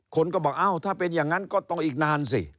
คนก็บอกอ้าวถ้าเป็นอย่างนั้นก็ต้องอีกนานสิ